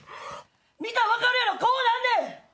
見たら分かるやろこうなんねん！